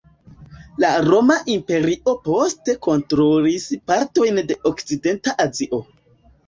La Roma Imperio poste kontrolis partojn de Okcidenta Azio.